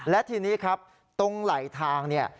และทีนี้ครับตรงไหลทางเนี่ย